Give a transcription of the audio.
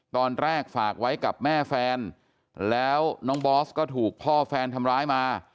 ตอนแรกฝากไว้กับแม่แฟนแล้วน้องบอสก็ถูกพ่อแฟนทำร้ายมา